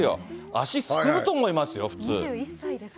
足すくむと思いますよ、普通。